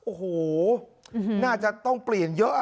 โอ้โหน่าจะต้องเปลี่ยนเยอะ